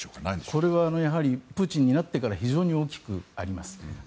これは、やはりプーチンになってから非常に大きくあります。